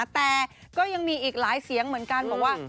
แต่ก็ยังมีอีกหลายเสียงเหมือนกันบอกว่า